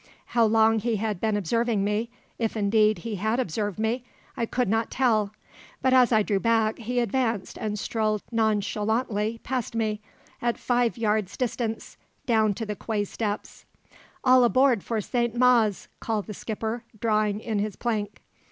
How long he had been observing me if, indeed, he had observed me I could not tell. But, as I drew back, he advanced and strolled nonchalantly past me, at five yards distance, down to the quay steps. "All aboard for St. Mawes!" called the skipper, drawing in his plank.